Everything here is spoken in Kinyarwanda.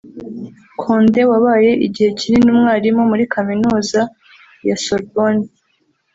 Conde wabaye igihe kinini umwarimu muri Kaminuza ya Sorbonne